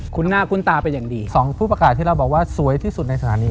คุณหน้าคุ้นตาเป็นอย่างดีสองผู้ประกาศที่เราบอกว่าสวยที่สุดในสถานี